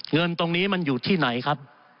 เงินตรงนี้มันอยู่ที่ไหนครับ